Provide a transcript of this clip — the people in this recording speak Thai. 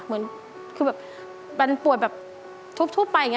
เหมือนคือแบบมันป่วยแบบทุบไปอย่างนี้